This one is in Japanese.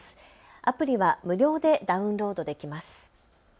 アプリは無料でダウンロードできます。